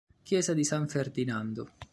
Chiesa di San Ferdinando